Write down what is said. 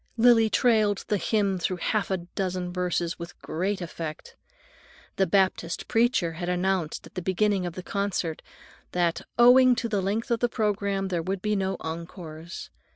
Lily trailed the hymn through half a dozen verses with great effect. The Baptist preacher had announced at the beginning of the concert that "owing to the length of the programme, there would be no encores."